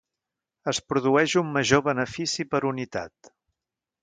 Es produeix un major benefici per unitat.